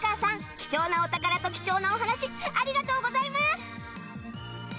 貴重なお宝と貴重なお話ありがとうございます！